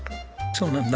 そうなんだ。